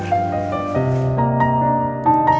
diri makanan buat mas al ya